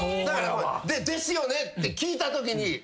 だからですよね？って聞いたときに。